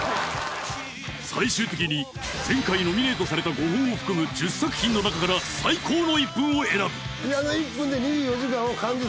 最終的に前回ノミネートされた５本を含む１０作品の中から最高の１分を選ぶ